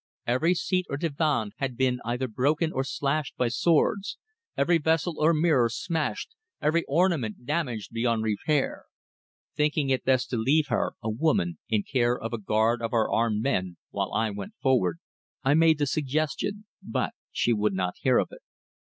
Every seat or divan had been either broken or slashed by swords, every vessel or mirror smashed, every ornament damaged beyond repair. Thinking it best to leave her, a woman, in care of a guard of our armed men, while I went forward, I made the suggestion, but she would not hear of it.